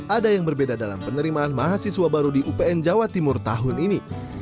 ada yang berbeda dalam penerimaan mahasiswa baru di upn jawa timur tahun ini